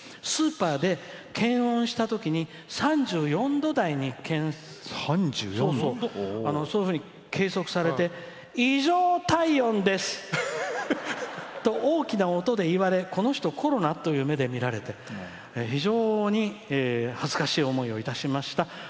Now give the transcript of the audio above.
スーパーで検温したとき３４度台に計測されて、異常体温ですと大きな音で言われこの人、コロナ？という目で見られて非常に恥ずかしい思いをいたしました。